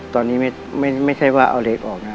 ตอนนี้ไม่ใช่ว่าเอาเหล็กออกนะ